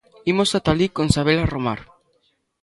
Imos ata alí con Sabela Romar.